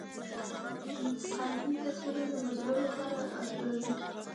انتقادي تصویرونه د مجلو لپاره انځوروي.